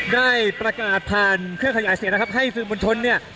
ได้ประกาศผ่านเครื่องขยายเสียงนะครับให้สื่อมวลชนเนี่ย